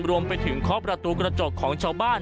รวมไปถึงเคาะประตูกระจกของชาวบ้าน